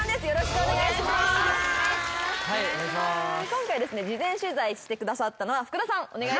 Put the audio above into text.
今回ですね事前取材してくださったのは福田さんお願いします。